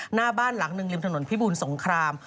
หน้าบ้านหลังหนึ่งริมถนนพิบูลสงคราม